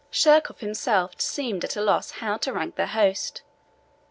Sheerkohf himself seemed at a loss how to rank their host.